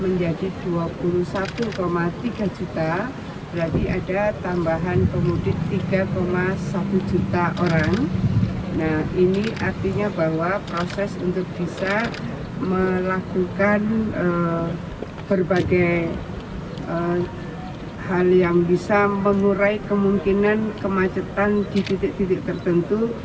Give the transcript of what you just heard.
nah ini artinya bahwa proses untuk bisa melakukan berbagai hal yang bisa mengurai kemungkinan kemacetan di titik titik tertentu